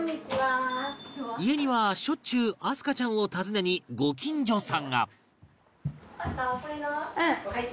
家にはしょっちゅう明日香ちゃんを訪ねにご近所さんが